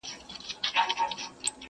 د کلي فضا ورو ورو بيا عادي کيږي.